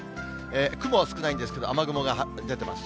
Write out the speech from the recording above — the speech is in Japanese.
雲は少ないんですけど、雨雲が出ています。